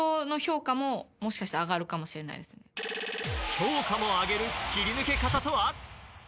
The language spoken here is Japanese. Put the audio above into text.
評価も上げる切り抜け方とは？